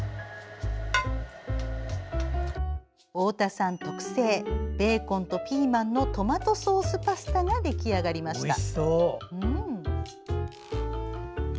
太田さん特製、ベーコンとピーマンのトマトソースパスタが出来上がりました。